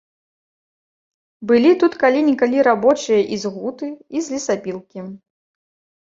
Былі тут калі-нікалі рабочыя і з гуты, і з лесапілкі.